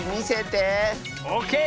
オーケー！